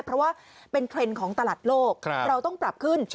เพราะว่าเป็นเทรนด์ของตลาดโลกเราต้องปรับขึ้น